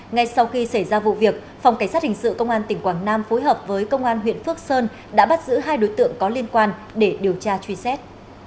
ngay sau khi xảy ra vụ việc phòng cảnh sát hình sự công an tỉnh quảng nam phối hợp với công an huyện phước sơn đã bắt giữ hai đối tượng có liên quan để điều tra truy xét